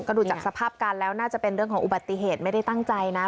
ก็ดูจากสภาพการณ์แล้วน่าจะเป็นเรื่องของอุบัติเหตุไม่ได้ตั้งใจนะ